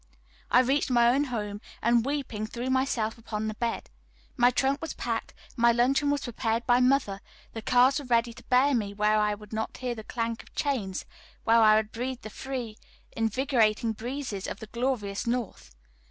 I reached my own home, and weeping threw myself upon the bed. My trunk was packed, my luncheon was prepared by mother, the cars were ready to bear me where I would not hear the clank of chains, where I would breathe the free, invigorating breezes of the glorious North.